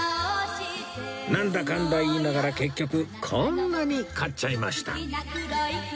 なんだかんだ言いながら結局こんなに買っちゃいました